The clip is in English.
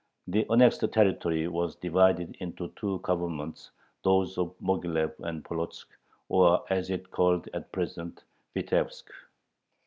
The annexed territory was divided into two Governments, those of Moghilev and Polotzk, or, as it is called at present, Vitebsk.